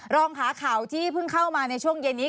รองหาข่าวที่เพิ่งเข้ามาในช่วงเย็นนี้